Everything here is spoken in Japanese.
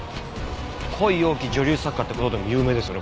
恋多き女流作家って事でも有名ですよね